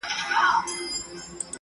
چي ملالي پکښي ګرځي د وطن پر ګودرونو؛